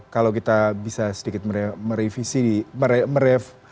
kalau kita bisa sedikit merevisi merevisi